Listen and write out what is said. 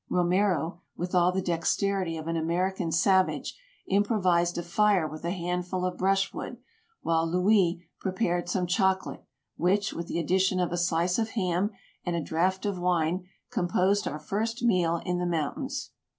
Romero, with all the dexterity of an American sav age, improvised a fire with a handful of brush wood, while Louis prepared some chocolate, which, with the addition of a slice of ham and a draught of wine, composed our first meal in the mountains.